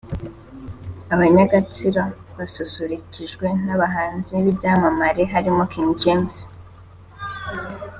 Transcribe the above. Abanya-Gatsibo basusurukijwe n'abahanzi b'ibyamamare barimo King James